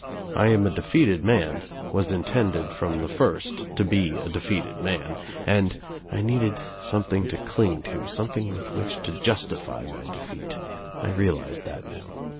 I am a defeated man, was intended from the first to be a defeated man and I needed something to cling to, something with which to justify my defeat. I realize that now.